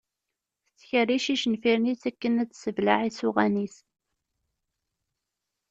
Tettkerric icenfiren-is akken ad tesseblaɛ isuɣan-is.